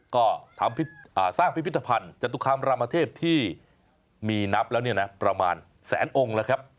ก็ทำสร้างพิพิธภัณฑ์จตุคามรามเทพที่มีนับแล้วเนี่ยนะประมาณแสนองค์แล้วครับ